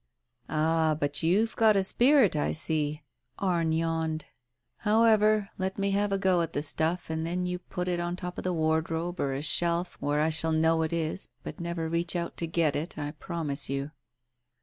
"Ah, but you've got a spirit, you see !" Arne yawned. "However, let me have a go at the stuff and then you put it on top of a wardrobe or a shelf, where I shall know it is, but never reach out to get it, I promise you."